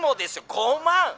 ５万！